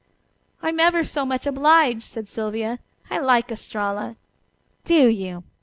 "I'm ever so much obliged," said Sylvia. "I like Estralla." "Do you?